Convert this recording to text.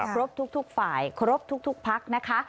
ครบทุกฝ่ายครบทุกพักนะคะ